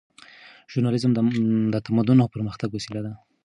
ژورنالیزم د تمدن او پرمختګ وسیله ده.